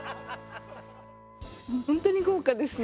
本当に豪華ですね。